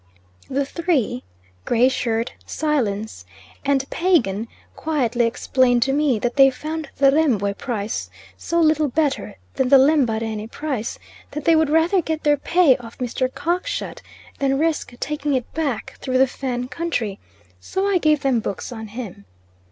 The three, Gray Shirt, Silence, and Pagan quietly explained to me that they found the Rembwe price so little better than the Lembarene price that they would rather get their pay off Mr. Cockshut, than risk taking it back through the Fan country, so I gave them books on him.